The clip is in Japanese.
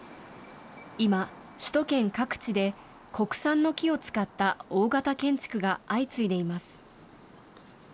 今、首都圏各地で、国産の木を使った大型建築が相次いでいます。